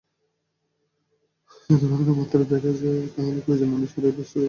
যদি ভাঙনের মাত্রা বেড়েই যায়, তাহলে প্রয়োজন অনুসারে ব্যবস্থা নেওয়া হবে।